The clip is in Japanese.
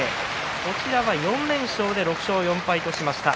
こちらは４連勝で６勝４敗としました。